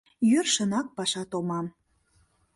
Йӧршынак паша томам.